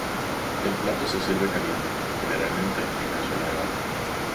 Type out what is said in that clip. El plato se sirve caliente, generalmente en cazuela de barro.